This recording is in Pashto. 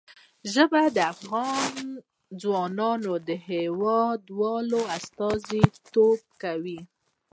ژبې د افغان ځوانانو د هیلو استازیتوب کوي.